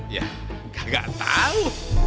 ya gak tau